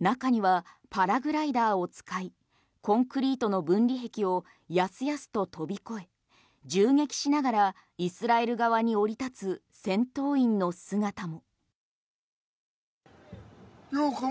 中には、パラグライダーを使いコンクリートの分離壁をやすやすと飛び越え銃撃しながらイスラエル側に降り立つ戦闘員の姿も。